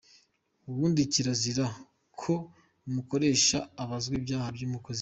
Ubundi kirazira ko umukoresha abazwa ibyaha by’umukozi we.